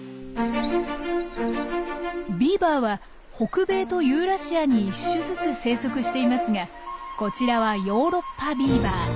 ビーバーは北米とユーラシアに１種ずつ生息していますがこちらはヨーロッパビーバー。